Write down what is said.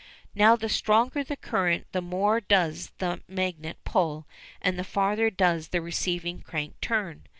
Now the stronger the current the more does that magnet pull and the farther does the receiving crank turn.